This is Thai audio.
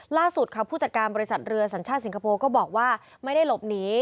ล่าสุดค่ะผู้จัดการบริษัทเรือสัญชาติสิงคโปร์ก็บอกว่าไม่ได้หลบหนี